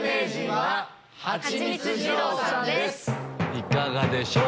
いかがでしょう？